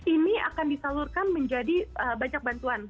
ini akan disalurkan menjadi banyak bantuan